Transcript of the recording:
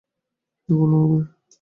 এগুলো আমার।